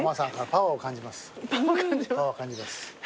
パワー？パワー感じます。